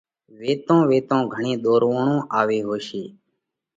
۔ ويتون ويتون گھڻي ۮورووڻون آوي هوشي